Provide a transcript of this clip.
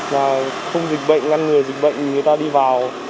là không dịch bệnh ngăn ngừa dịch bệnh người ta đi vào